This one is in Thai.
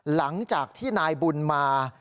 หลังจากที่นายบุญมา